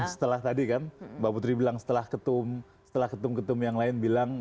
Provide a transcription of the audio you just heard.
setelah tadi kan mbak putri bilang setelah ketum ketum yang lain bilang